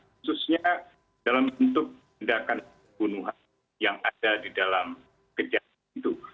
khususnya dalam bentuk tindakan pembunuhan yang ada di dalam kejahatan itu